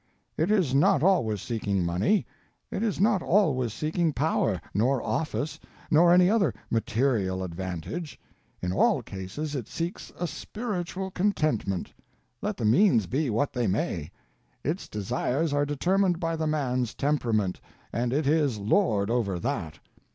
It is not always seeking money, it is not always seeking power, nor office, nor any other _material _advantage. In _all _cases it seeks a _spiritual _contentment, let the _means _be what they may. Its desires are determined by the man's temperament—and it is lord over that.